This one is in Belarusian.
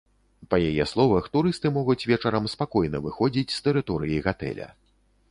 Па яе словах, турысты могуць вечарам спакойна выходзіць з тэрыторыі гатэля.